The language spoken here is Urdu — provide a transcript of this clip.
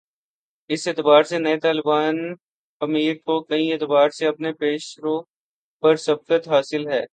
اس اعتبار سے نئے طالبان امیر کو کئی اعتبار سے اپنے پیش رو پر سبقت حاصل ہے۔